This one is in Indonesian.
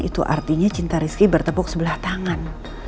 itu artinya cinta rizky bertepuk sebelah tangan